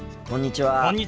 こんにちは。